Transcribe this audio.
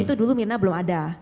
itu dulu mirna belum ada